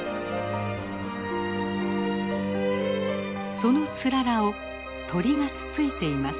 そのつららを鳥がつついています。